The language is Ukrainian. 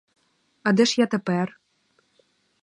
А де ж я тепер?